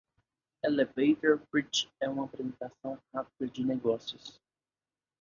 Elevator Pitch é uma apresentação rápida de negócios.